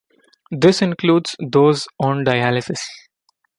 This includes those on dialysis.